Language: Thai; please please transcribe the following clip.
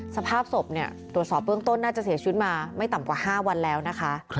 สภาพศพตรวจสอบเบื้องต้นน่าจะเสียชีวิตมาไม่ต่ำกว่า๕วันแล้วนะคะ